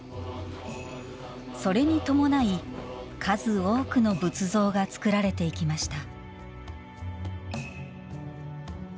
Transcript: それに伴い、数多くの仏像が造られていきました。